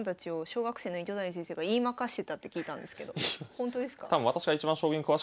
ほんとですか？